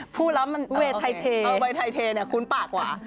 พูดแล้วมันเอ้าโอเคเอ้าเวไทเทเนี่ยคุ้นปากกว่า